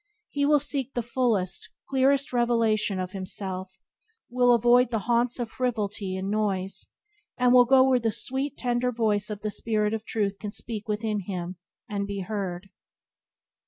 He will seek the fullest, clearest revelation of himself, will avoid the haunts of frivolity and noise, and will go where the sweet, tender voice of the spirit of Truth can speak within him and be heard.